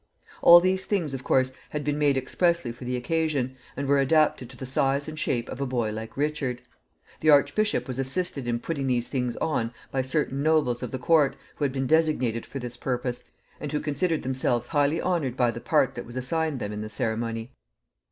All these things, of course, had been made expressly for the occasion, and were adapted to the size and shape of a boy like Richard. The archbishop was assisted in putting these things on by certain nobles of the court, who had been designated for this purpose, and who considered themselves highly honored by the part that was assigned them in the ceremony.